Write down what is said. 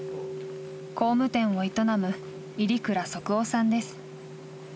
工務店を営む入倉束雄さんです。